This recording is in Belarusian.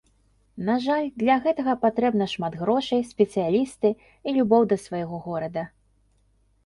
На жаль, для гэтага патрэбна шмат грошай, спецыялісты і любоў да свайго горада.